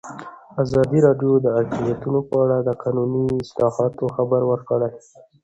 ازادي راډیو د اقلیتونه په اړه د قانوني اصلاحاتو خبر ورکړی.